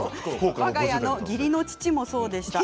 わが家の義理の父もそうでした。